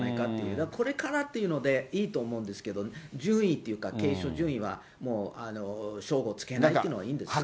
だからこれからっていうのでいいと思うんですけど、順位というか、継承順位はもう称号つけないっていうのはいいんですけど。